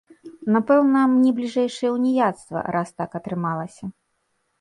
Напэўна, мне бліжэйшае ўніяцтва, раз так атрымалася.